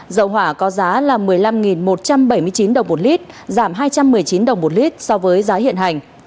dầu hỏa có giá là một mươi năm một trăm bảy mươi chín đồng một lít giảm hai trăm một mươi chín đồng một lít so với giá hiện hành